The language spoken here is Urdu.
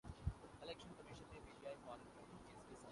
آج مؤقف ایک ہی ہے جو نواز شریف کا ہے